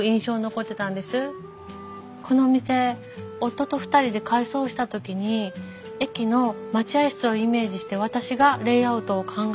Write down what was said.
このお店夫と２人で改装した時に駅の待合室をイメージして私がレイアウトを考えたんです。